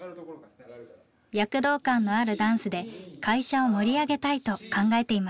躍動感のあるダンスで会社を盛りあげたいと考えていました。